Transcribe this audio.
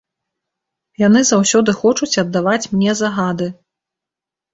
Яны заўсёды хочуць аддаваць мне загады.